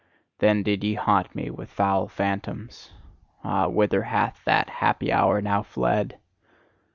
Then did ye haunt me with foul phantoms; ah, whither hath that happy hour now fled!